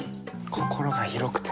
心が広くて。